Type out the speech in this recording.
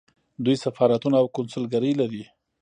دوی سفارتونه او کونسلګرۍ لري.